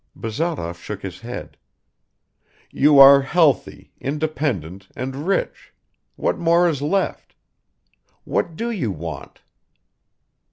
Bazarov shook his head; "You are healthy, independent and rich; what more is left? What do you want?"